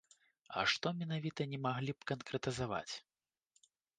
А што менавіта, не маглі б канкрэтызаваць?